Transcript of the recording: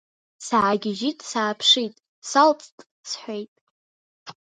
Саагьежьит сааԥшит, салҵт, лҳәит.